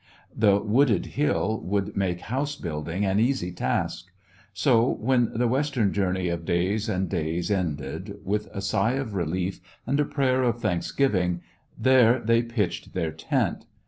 The wooded hill would make house building an easy task. So, when the western journey of days and days ended, with a sigh of relief and a prayer of thanksgiving, there they pitched their tent.